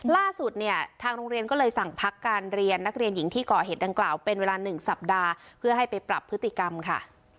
ล่าสุดเนี่ยทางโรงเรียนก็เลยสั่งพักการเรียนนักเรียนหญิงที่ก่อเหตุดังกล่าวเป็นเวลา๑สัปดาห์เพื่อให้ไปปรับพฤติกรรมค่ะ